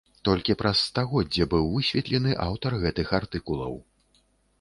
Толькі праз стагоддзе быў высветлены аўтар гэтых артыкулаў.